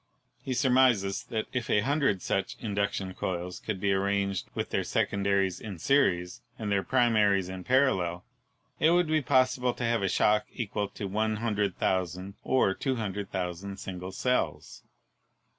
He surmises that if a hun dred such induction coils could be aranged with their secondaries in series and their primaries in parallel, it would be possible to have a shock equal to 100,000 or 200, 000 single cells.